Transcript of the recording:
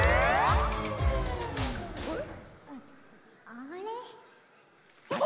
あれ？